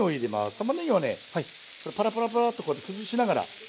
たまねぎはねパラパラパラッと崩しながら。